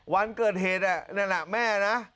วันเกิดเหตุนั่นแหละแม่นะ